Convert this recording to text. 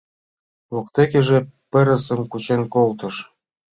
Воктекыже пырысым кучен колтыш.